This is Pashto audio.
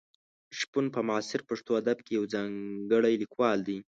شپون په معاصر پښتو ادب کې یو ځانګړی لیکوال دی.